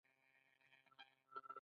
د کرامت او احترام غوښتنه بدلون نه مومي.